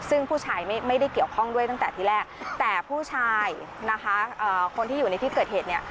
ซึ่งผู้ชายไม่ได้เกี่ยวข้องด้วยตั้งแต่ที่แรกแต่ผู้ชายนะคะคนที่อยู่ในที่เกิดเหตุเนี่ย